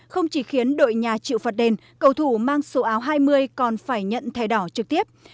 không chỉ khiến đội nhà chịu phạt đền cầu thủ mang số áo hai mươi còn phải nhận thẻ đỏ trực tiếp